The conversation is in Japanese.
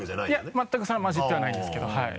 いや全くそれは交じってはいないんですけど。